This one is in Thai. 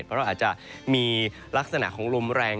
เพราะเราอาจจะมีลักษณะของลมแรง